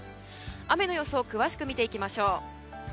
雨の予想を詳しく見ていきましょう。